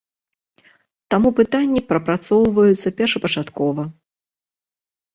Таму пытанні прапрацоўваюцца першапачаткова.